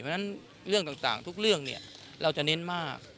เพราะฉะนั้นเรื่องต่างทุกเรื่องเราจะเน้นมาก